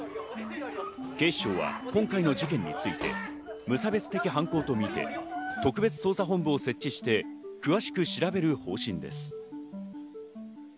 警視庁は今回の事件について無差別的犯行とみて特別捜査本部を設置して詳しく調べる方針です。